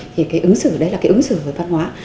thì cái ứng xử đấy là cái ứng xử với văn hóa